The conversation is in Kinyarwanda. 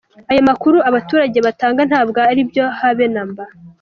Ayo makuru abaturage batanga ntabwo ari byo habe namba.